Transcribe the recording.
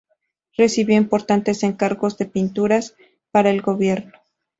Recibió importantes encargos de pinturas para el gobierno.